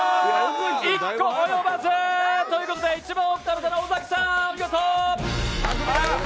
１個、及ばず！ということで一番多かったのは尾崎さん、優勝！